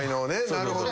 なるほど。